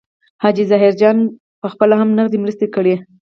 حاجي ظاهرجان پخپله هم نغدي مرستې کړي.